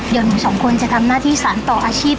เดี๋ยวหนูสองคนจะทำหน้าที่สารต่ออาชีพ